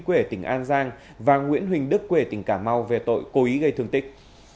quê ở tỉnh an giang và nguyễn huỳnh đức quê tỉnh cà mau về tội cố ý gây thương tích